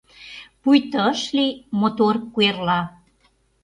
Пуйто ыш лий мотор куэрла